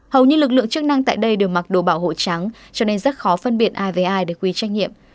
hầu như lực lượng chức năng tại đây đều mặc đồ bảo hộ trắng cho nên rất khó phân biệt ai với ai để quy trách nhiệm